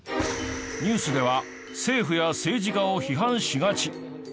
ニュースでは政府や政治家を批判しがち。